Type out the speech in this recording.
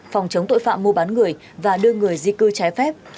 phòng chống tội phạm mua bán người và đưa người di cư trái phép